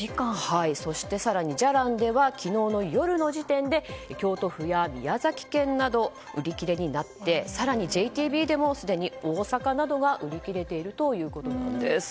そして、更にじゃらんでは昨日の夜の時点で京都府や宮崎県など売り切れになって更にＪＴＢでもすでに大阪などが売り切れているということです。